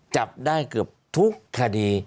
จับได้เกือบทุกคดี